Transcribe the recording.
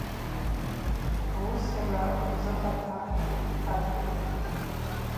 Ауысара гвыбзыгъата дадгылитӏ.